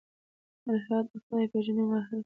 الهیات د خدای پېژندنې مباحث دي.